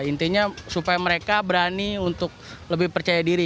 intinya supaya mereka berani untuk lebih percaya diri